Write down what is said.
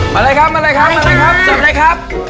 มาเลยครับ